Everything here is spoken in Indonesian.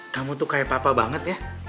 kamu tuh kayak papa banget ya